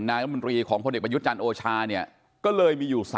รัฐมนตรีของพลเอกประยุทธ์จันทร์โอชาเนี่ยก็เลยมีอยู่๓